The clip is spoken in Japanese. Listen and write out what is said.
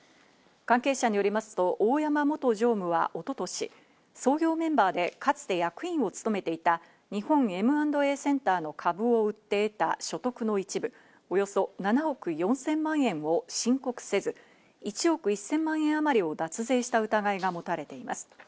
関係者によりますと、大山元常務は一昨年、創業メンバーでかつて役員を務めていた日本Ｍ＆Ａセンターの株を売って得た所得の一部、およそ７億４０００万円を申告せず、１億１０００万円あまりを脱税した疑いが持たれています。